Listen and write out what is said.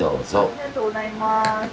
ありがとうございます。